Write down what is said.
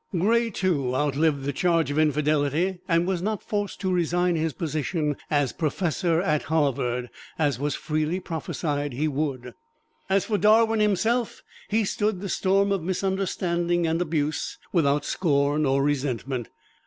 Gray, too, outlived the charge of infidelity, and was not forced to resign his position as Professor at Harvard, as was freely prophesied he would. As for Darwin himself, he stood the storm of misunderstanding and abuse without scorn or resentment.